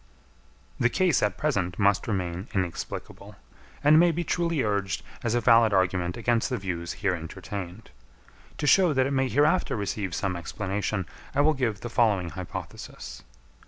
The case at present must remain inexplicable; and may be truly urged as a valid argument against the views here entertained. To show that it may hereafter receive some explanation, I will give the following hypothesis.